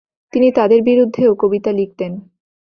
তিনি তদের বিরুদ্ধেও কবিতা লিখতেন।